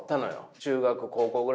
中学高校ぐらいかな。